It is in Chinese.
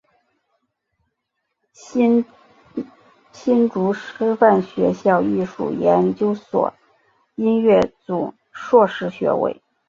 新竹师范学校艺术研究所音乐组硕士学位。